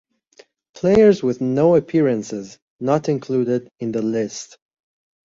Players with no appearances not included in the list.